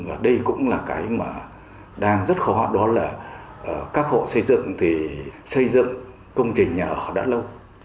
và đây cũng là cái mà đang rất khó đó là các hộ xây dựng thì xây dựng công trình nhà ở đã lâu